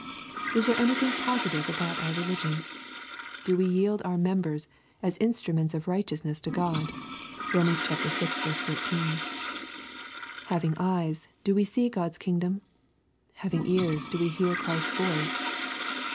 Is there anything positive about our religion ? Do we yield our members as instruments of righteousness to God ? (Kora. vi. 13.) Having eyes, do we see God's king dom ? Having ears, do we hear Christ's voice